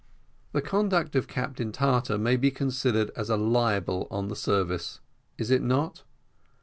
The conduct of Captain Tartar may be considered as a libel on the service is it not?